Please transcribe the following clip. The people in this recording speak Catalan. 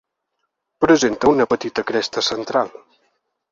Presenta una petita cresta central.